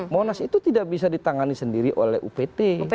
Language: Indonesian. monas itu tidak bisa ditangani sendiri oleh upt